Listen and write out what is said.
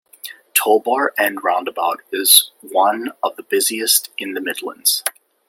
Tollbar End roundabout is one of the busiest in the Midlands.